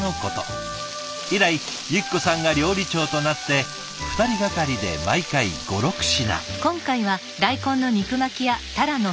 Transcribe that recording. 以来由紀子さんが料理長となって２人がかりで毎回５６品。